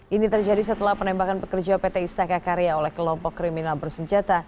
ini terjadi setelah penembakan pekerja pt istaka karya oleh kelompok kriminal bersenjata